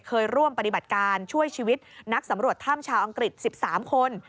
เคยร่วมปฏิบัติการช่วยชีวิตนักสำรวจถ้ำชาวอังกฤษ๑๓คน